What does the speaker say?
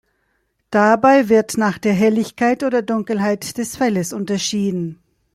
Dabei wird nach der Helligkeit oder Dunkelheit des Felles unterschieden.